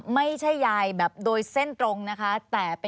ควิทยาลัยเชียร์สวัสดีครับ